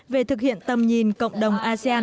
về thực hiện tầm nhìn cộng đồng asean hai nghìn hai mươi